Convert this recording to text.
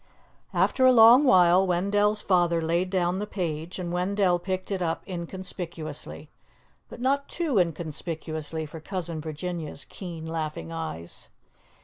After a long while, Wendell's father laid down the page, and Wendell picked it up inconspicuously. But not too inconspicuously for Cousin Virginia's keen laughing eyes.